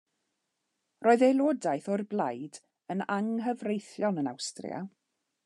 Roedd aelodaeth o'r blaid yn anghyfreithlon yn Awstria.